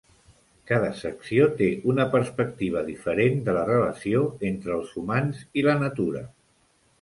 Cada secció té una perspectiva diferent de la relació entre els humans i la natura.